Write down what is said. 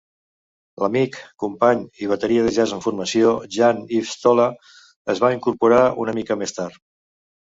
L"amic, company y bateria de jazz amb formació Jean-Yves Tola es va incorporar una mica més tard.